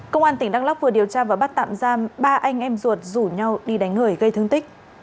công an tỉnh đắk lóc vừa điều tra và bắt tạm giam ba anh em ruột rủ nhau đi đánh người gây thương tích